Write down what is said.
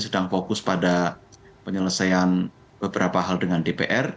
sedang fokus pada penyelesaian beberapa hal dengan dpr